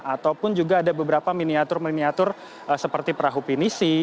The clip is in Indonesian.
ataupun juga ada beberapa miniatur miniatur seperti perahu pinisi